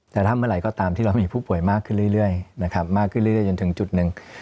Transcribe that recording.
แต่ถ้าเมื่อไหร่ก็ตามที่เรามีผู้ป่วยมากขึ้นเรื่อยนะครับมากขึ้นเรื่อยจนถึงจุดหนึ่ง